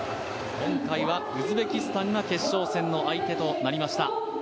今回はウズベキスタンが決勝戦の相手となりました。